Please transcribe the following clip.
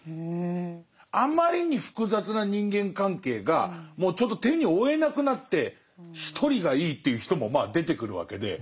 あまりに複雑な人間関係がもうちょっと手に負えなくなって一人がいいっていう人もまあ出てくるわけで。